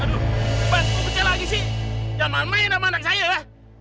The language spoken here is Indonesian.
aduh cepet kok pecah lagi sih jangan main main sama anak saya